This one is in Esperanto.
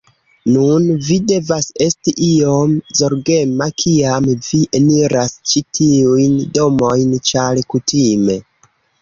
Nun, vi devas esti iom zorgema, kiam vi eniras ĉi tiujn domojn, ĉar kutime...